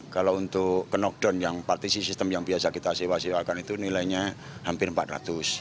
kalau untuk knockdown yang partisi sistem yang biasa kita sewa sewakan itu nilainya hampir rp empat ratus